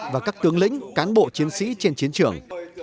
và các tướng lĩnh cán bộ chiến sĩ trên chiến trường